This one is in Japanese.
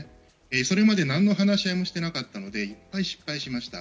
それまでなんの話し合いもしていなかったので、いっぱい失敗しました。